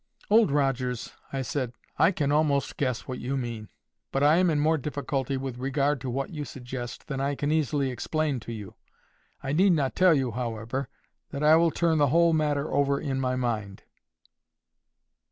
"Old Rogers," I said, "I can almost guess what you mean. But I am in more difficulty with regard to what you suggest than I can easily explain to you. I need not tell you, however, that I will turn the whole matter over in my mind."